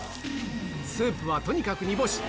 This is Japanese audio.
スープはとにかく煮干し。